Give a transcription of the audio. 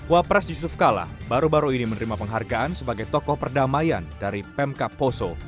wak pres yusuf kalam baru baru ini menerima penghargaan sebagai tokoh perdamaian dari pemka poso